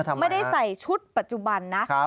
ไม่ได้ใส่ชุดปัจจุบันนะ